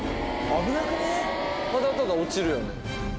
ただただ落ちるよね。